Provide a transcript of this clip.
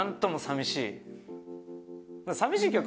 さみしい曲